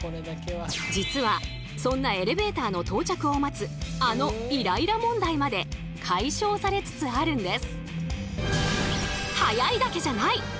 実はそんなエレベーターの到着を待つあのイライラ問題まで解消されつつあるんです。